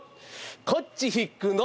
こっちひくの！